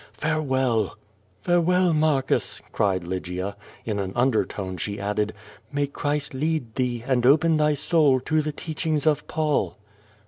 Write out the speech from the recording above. Farewell!" "Farewell, Marcus!" cried Lygia. In an undertone she added, "May Christ lead thee, and open thy soul to the teach ings of Paul."